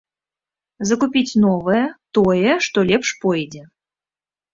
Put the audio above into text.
Закупіць новае, тое, што лепш пойдзе.